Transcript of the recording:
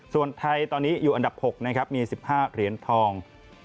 ส่วนไทยตอนนี้อยู่อันดับ๖นะครับมี๑๕เหรียญทอง